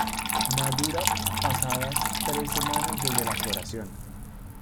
Madura pasadas tres semanas desde la floración.